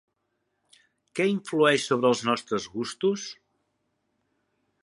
Què influeix sobre els nostres gustos?